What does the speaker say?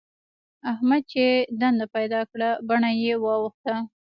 احمد چې دنده پيدا کړه؛ بڼه يې واوښته.